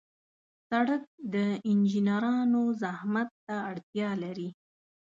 سړک د انجنیرانو زحمت ته اړتیا لري.